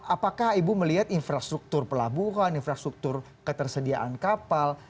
apakah ibu melihat infrastruktur pelabuhan infrastruktur ketersediaan kapal